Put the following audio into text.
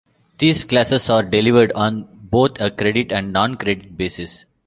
These classes are delivered on both a credit and non-credit basis.